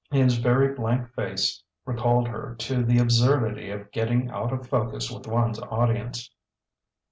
His very blank face recalled her to the absurdity of getting out of focus with one's audience.